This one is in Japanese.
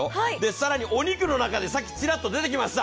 更にお肉の中で、さっきでてきました。